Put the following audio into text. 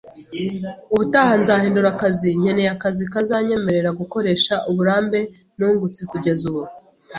Ubutaha nzahindura akazi, nkeneye akazi kazanyemerera gukoresha uburambe nungutse kugeza ubu